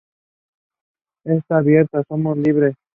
¡ Está abierta! ¡ somos libres!